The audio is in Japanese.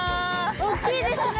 おっきいですね